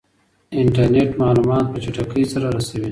انټرنیټ معلومات په چټکۍ سره رسوي.